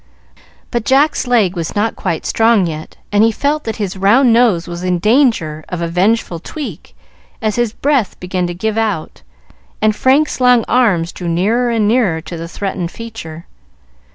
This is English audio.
But Jack's leg was not quite strong yet, and he felt that his round nose was in danger of a vengeful tweak as his breath began to give out and Frank's long arms drew nearer and nearer to the threatened feature.